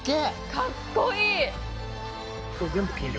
かっこいい！